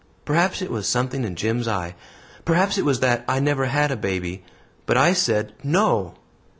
Perhaps it was something in Jim's eye, perhaps it was that I never had a baby, but I said 'No.'